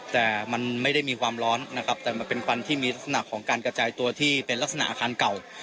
แต่มันไม่ได้มีความร้อนนะครับแต่มันเป็นควันที่มีลักษณะของการกระจายตัวที่เป็นลักษณะอาคารเก่า